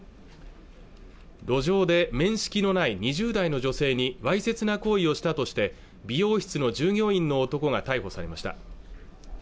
路上で面識のない２０代の女性にわいせつな行為をしたとして美容室の従業員の男が逮捕されました